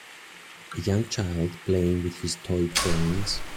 A young child playing with his toy trains.